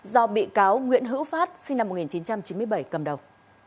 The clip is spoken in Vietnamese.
do bị cáo nguyễn hữu phát sinh năm một nghìn chín trăm chín mươi bảy cầm đầu